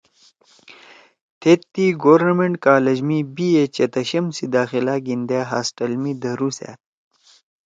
تھید تی گورنمنٹ کالج می )بی اے( چتشم سی داخلہ گھیِندے ہاسٹل می دھرُوسأد